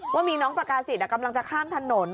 ว่ามีน้องประกาศิษย์กำลังจะข้ามถนน